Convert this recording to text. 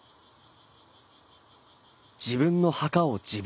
自分の墓を自分で掘る。